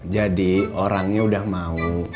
jadi orangnya udah mau